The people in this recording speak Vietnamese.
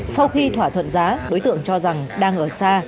sau khi thỏa thuận giá đối tượng cho rằng đang ở xa